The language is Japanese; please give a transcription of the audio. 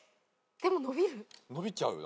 でも伸びる？